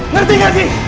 ngerti gak sih